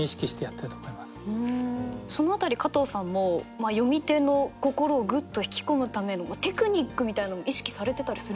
その辺り加藤さんも読み手の心をグッと引き込むためのテクニックみたいのも意識されてたりするんですか？